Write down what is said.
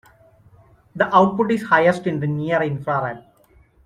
The output is highest in the near infrared.